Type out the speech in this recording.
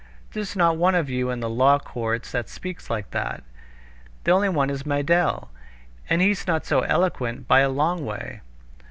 There's not one of you in the law courts that speaks like that. The only one is Meidel, and he's not so eloquent by a long way."